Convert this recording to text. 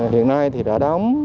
hiện nay thì đã đóng